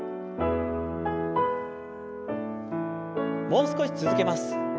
もう少し続けます。